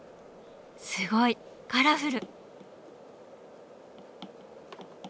すごいカラフル。